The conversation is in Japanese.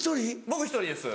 僕１人です。